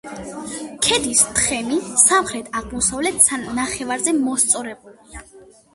ქედის თხემი სამხრეთ-აღმოსავლეთ ნახევარზე მოსწორებულია.